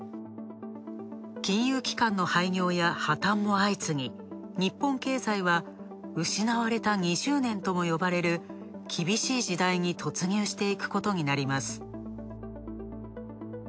金融機関の破綻も相次ぎ、日本経済は、失われた２０年とも呼ばれる厳しい時代に突入していくことになります。